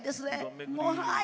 もうはい。